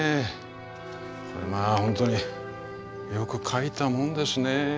まあ本当によく書いたもんですね。